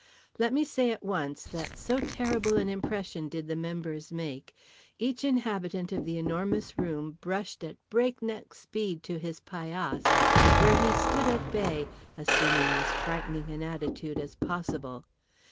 Let me say at once that, so terrible an impression did the members make, each inhabitant of The Enormous Room rushed at break neck speed to his paillasse; where he stood at bay, assuming as frightening an attitude as possible.